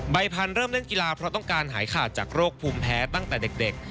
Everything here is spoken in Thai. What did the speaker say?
พันธุ์เริ่มเล่นกีฬาเพราะต้องการหายขาดจากโรคภูมิแพ้ตั้งแต่เด็ก